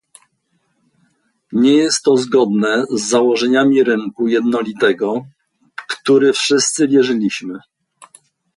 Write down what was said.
Nie jest to zgodne z założeniami rynku jednolitego, w który wszyscy wierzyliśmy